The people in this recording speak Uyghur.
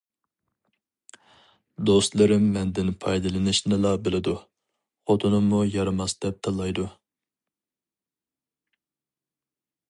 دوستلىرىم مەندىن پايدىلىنىشنىلا بىلىدۇ، خوتۇنۇممۇ يارىماس دەپ تىللايدۇ.